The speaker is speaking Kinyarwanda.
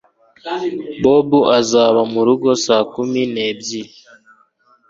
bob azaba murugo saa kumi n'ebyiri